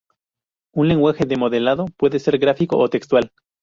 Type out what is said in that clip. Un lenguaje de modelado puede ser gráfico o textual.